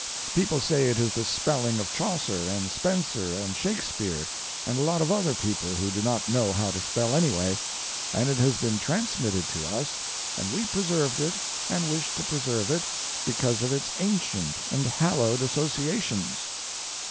People say it is the spelling of Chaucer and Spencer and Shakespeare and a lot of other people who do not know how to spell anyway, and it has been transmitted to us and we preserved it and wish to preserve it because of its ancient and hallowed associations.